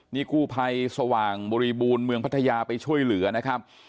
นี่กู้ภัยสว่างบริบูรณ์เมืองพัทยาไปช่วยเหลือนะครับ